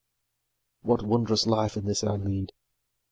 What wond'rous life in this I lead!